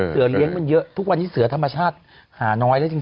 เสือเลี้ยงมันเยอะทุกวันนี้เสือธรรมชาติหาน้อยแล้วจริง